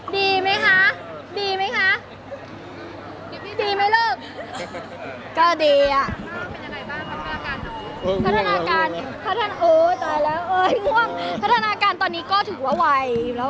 มีความสุขไหมคะมีความสุขไหมคะมีความสุขไหมคะ